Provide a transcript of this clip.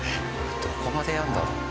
どこまでやるんだろう？